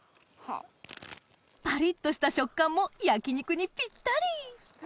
パリっとした食感も焼肉にぴったり！